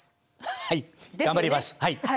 はい頑張ります。